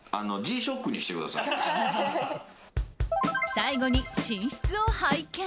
最後に寝室を拝見。